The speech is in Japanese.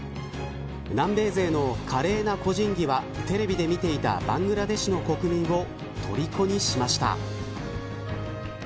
南米勢の華麗な個人技はテレビで見ていたバングラデシュの国民を虜にしました。